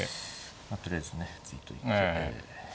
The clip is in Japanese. まあとりあえずね突いといて。